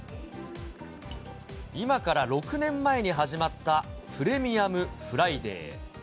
今から６年前に始まったプレミアムフライデー。